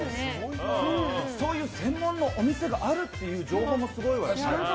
そういう専門のお店があるというのもすごいわよね。